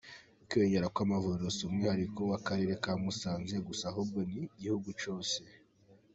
Ukwiyongera kw’amavuriro si umwihariko w’Akarere ka Musanze gusa ahubwo ni igihugu cyose.